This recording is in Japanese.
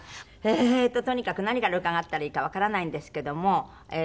えーっととにかく何から伺ったらいいかわからないんですけども。